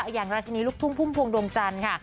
อย่างราชินีลูกทุ่งพุ่มพวงดวงจันทร์ค่ะ